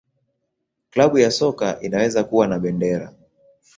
Klabu ya soka inaweza kuwa na bendera.